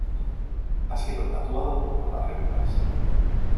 Ha sido tatuado por Darren Brass.